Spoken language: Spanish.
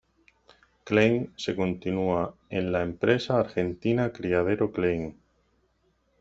Klein se continua en la empresa argentina Criadero Klein.